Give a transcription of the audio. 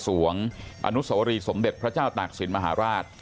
วงอนุสวรีสมเด็จพระเจ้าตากศิลปมหาราช